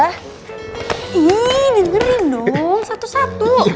wah dengerin dong satu satu